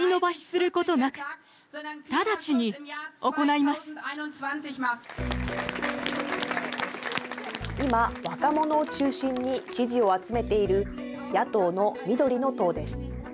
いま、若者を中心に支持を集めている野党の緑の党です。